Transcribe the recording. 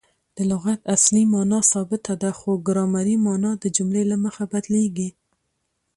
د لغت اصلي مانا ثابته ده؛ خو ګرامري مانا د جملې له مخه بدلیږي.